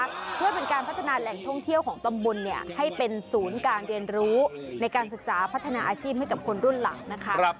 เพื่อเป็นการพัฒนาแหล่งท่องเที่ยวของตำบลให้เป็นศูนย์การเรียนรู้ในการศึกษาพัฒนาอาชีพให้กับคนรุ่นหลังนะคะ